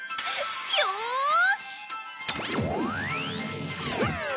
よし！